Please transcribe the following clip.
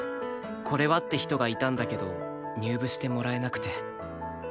これは！って人がいたんだけど入部してもらえなくて。